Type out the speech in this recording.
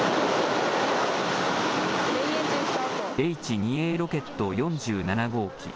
Ｈ２Ａロケット４７号機